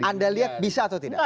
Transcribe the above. anda lihat bisa atau tidak